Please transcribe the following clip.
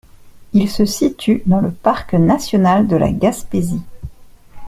Il se situe dans le parc national de la Gaspésie.